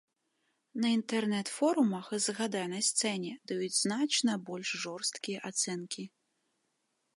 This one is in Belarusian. На інтэрнэт-форумах згаданай сцэне даюць значна больш жорсткія ацэнкі.